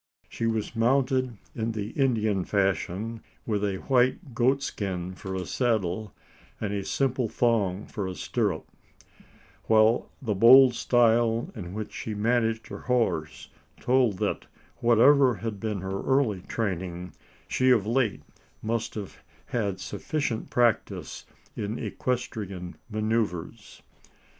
She was mounted in the Indian fashion, with a white goatskin for a saddle, and a simple thong for a stirrup; while the bold style in which she managed her horse, told that, whatever had been her early training, she of late must have had sufficient practice in equestrian manoeuvres.